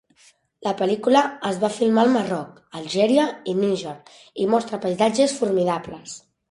La pel·lícula es va filmar al Marroc, Algèria i Níger, i mostra paisatges formidables.